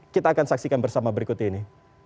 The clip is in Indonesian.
kita akan saksikan bersama berikut ini